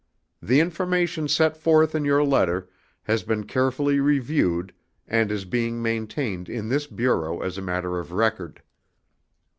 The information set forth in your letter has been carefully reviewed and is being maintained in this Bureau as a matter of record.